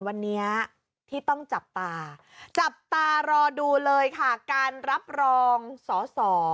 วันนี้ที่ต้องจับตาจับตารอดูเลยค่ะการรับรองสอสอ